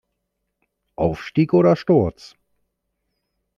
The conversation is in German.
Aufstieg oder Sturz?